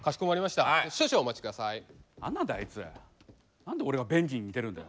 何で俺が便器に似てるんだよ。